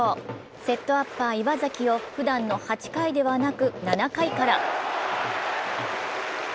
セットアッパー・岩崎をふだんの８回ではなく７回から。